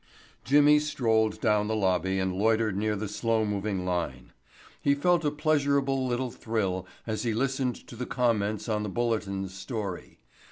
Jimmy strolled down the lobby and loitered near the slow moving line. He felt a pleasurable little thrill as he listened to the comments on the Bulletin's story.